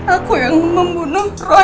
aku yang membunuh roy